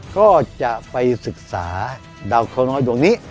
ก็จะไปศึกษาดาวเคราะห์น้อยตรงนี้